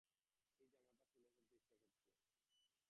এই জামাটা খুলে ফেলতে ইচ্ছা করছে।